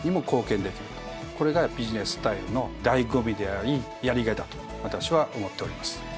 これがビジネススタイルの醍醐味でありやりがいだと私は思っております。